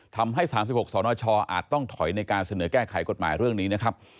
ทำให้๓๖สนชอาจต้องถอยในการเสนอแก้ไขกฎหมายเรื่องนี้นะครับ